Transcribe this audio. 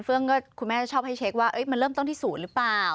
คุณแม่ชอบให้เช็คว่ามันเริ่มต้นที่ศูนย์หรือเปล่า